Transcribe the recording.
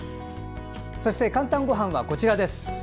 そして「かんたんごはん」はこちらです。